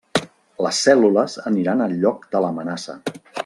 Les cèl·lules aniran al lloc de l'amenaça.